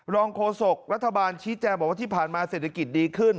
โฆษกรัฐบาลชี้แจงบอกว่าที่ผ่านมาเศรษฐกิจดีขึ้น